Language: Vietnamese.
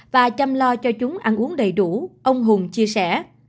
và chăm lo cho chúng ăn uống đầy đủ ông hùng chia sẻ